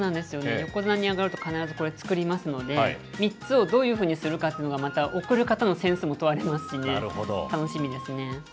横綱に上がると必ずこれ、作りますので、３つをどういうふうにするのかというのが、また贈る方のセンスも問われますしね。